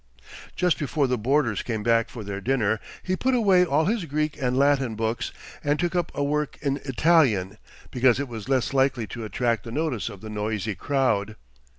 Just before the boarders came back for their dinner, he put away all his Greek and Latin books, and took up a work in Italian, because it was less likely to attract the notice of the noisy crowd.